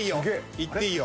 行っていいよ。